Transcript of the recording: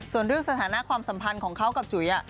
ส่วนเรื่องสถานะความสัมพันธ์ของเขากับจุ๋ย